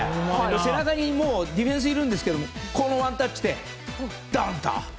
背中にディフェンスいるんですがこのワンタッチでドンと。